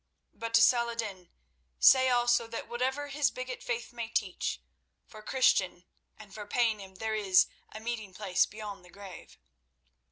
But to Saladin say also that whatever his bigot faith may teach, for Christian and for Paynim there is a meeting place beyond the grave.